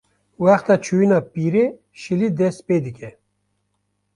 wexta çûyîna pîrê, şilî dest pê dike